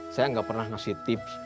saya nggak pernah ngasih tips